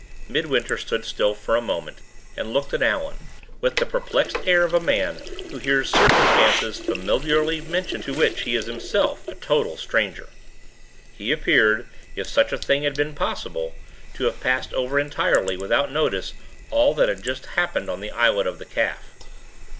Midwinter stood still for a moment, and looked at Allan, with the perplexed air of a man who hears circumstances familiarly mentioned to which he is himself a total stranger. He appeared, if such a thing had been possible, to have passed over entirely without notice all that had just happened on the Islet of the Calf.